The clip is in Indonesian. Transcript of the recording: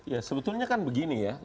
ya sebetulnya kan begini ya